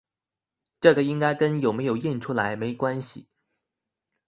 這個應該跟有沒有印出來沒關係